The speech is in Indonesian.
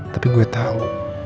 tapi gue tahu